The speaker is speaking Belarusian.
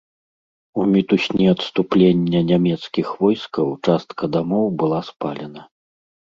У мітусні адступлення нямецкіх войскаў частка дамоў была спалена.